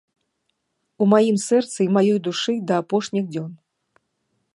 У маім сэрцы й маёй душы да апошніх дзён.